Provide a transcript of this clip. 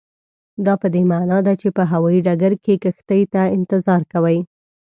دا پدې معنا ده چې په هوایي ډګر کې کښتۍ ته انتظار کوئ.